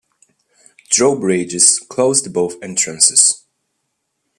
Drawbridges closed both entrances.